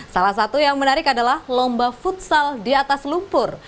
salah satu yang menarik adalah lomba futsal di atas lumpur